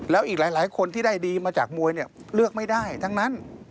แล้วอีกหลายคนที่ได้ดีมาจากมวยเนี่ยเลือกไม่ได้ทั้งนั้น